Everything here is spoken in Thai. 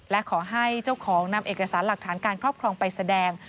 และขอให้เจ้าของนำเอกสารหลักฐานการครอบครองไปแสดง